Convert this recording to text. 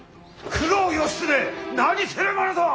九郎義経何するものぞ！